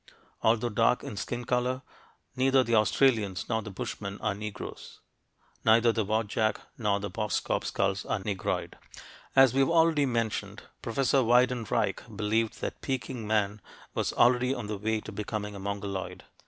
Although dark in skin color, neither the Australians nor the Bushmen are Negroes; neither the Wadjak nor the Boskop skulls are "Negroid." As we've already mentioned, Professor Weidenreich believed that Peking man was already on the way to becoming a Mongoloid.